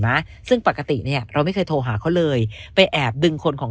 นะซึ่งปกติเนี่ยเราไม่เคยโทรหาเขาเลยไปแอบดึงคนของ